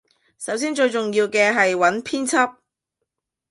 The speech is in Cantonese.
首先最重要嘅係揾編輯